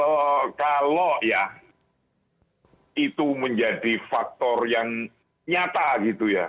ya kalau ya itu menjadi faktor yang nyata gitu ya